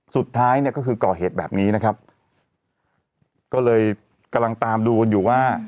สุดท้ายเนี่ยก็คือก่อเหตุแบบนี้นะครับก็เลยกำลังตามดูกันอยู่ว่า